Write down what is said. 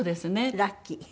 ラッキー。